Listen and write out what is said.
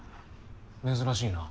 珍しいな。